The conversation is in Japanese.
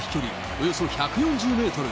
およそ１４０メートル。